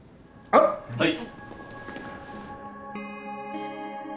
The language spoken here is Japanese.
はい！